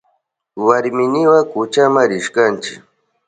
Warminiwa kuchama rishkanchi.